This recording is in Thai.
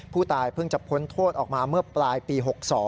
ผู้ตายเพิ่งจะพ้นโทษออกมาเมื่อปลายปี๖๒